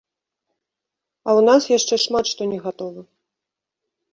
А ў нас яшчэ шмат што не гатова.